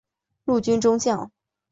陆军中将。